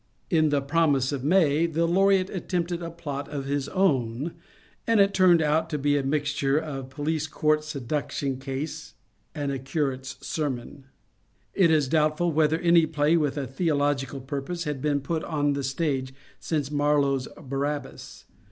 In the '' Promise of May '* 38 MONCURE DANIEL CONWAY the Laureate attempted a plot of his own, and it turned out to be a mixture of a police court seduction case and a curate's sermon. It is doubtful whether any play with a theological purpose had been put on the stage since Marlowe's *' Barabbas."